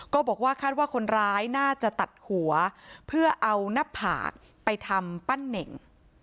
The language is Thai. ก็บอกว่าคาดว่าคนร้ายน่าจะตัดหัวเพื่อเอาหน้าผากไปทำปั้นเน่ง